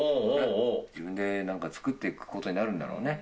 自分でなんかつくっていくことになるんだろうね。